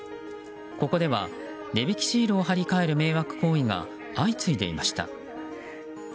ここでは値引きシールを貼り替える迷惑行為が相次いでいました。